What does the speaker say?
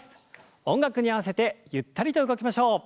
音楽に合わせてゆったりと動きましょう。